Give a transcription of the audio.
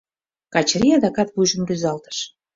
Качырий адакат вуйжым рӱзалтыш.